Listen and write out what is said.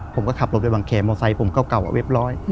ผมก็ขับรถไปวังแครมอเซอร์ผมเก่าเว็บร้อย